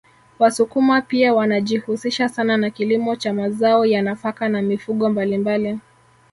Wasukuma pia wanajihusisha sana na kilimo cha mazao ya nafaka na mifugo mbalimbali